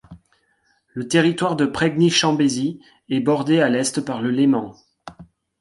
Le territoire de Pregny-Chambésy est bordé à l'est par le Léman.